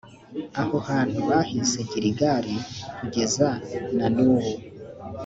aho hantu bahise giligali kugeza na n’ubu.